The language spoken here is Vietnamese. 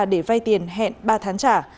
để vay tiền hẹn ba tháng trả